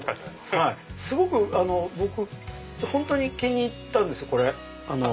すごく本当に気に入ったんですこれ。